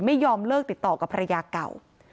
ไม่ยอมเลิกติดต่อกับภรรยาเก่า